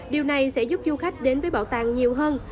điều này sẽ giúp du khách đến với bảo tàng nhiều hơn